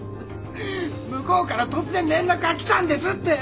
向こうから突然連絡がきたんですって。